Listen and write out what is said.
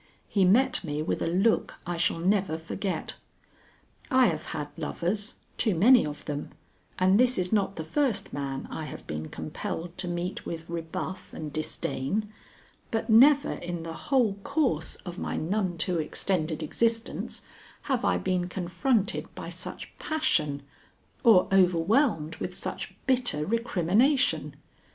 He met me with a look I shall never forget. I have had lovers too many of them, and this is not the first man I have been compelled to meet with rebuff and disdain, but never in the whole course of my none too extended existence have I been confronted by such passion or overwhelmed with such bitter recrimination.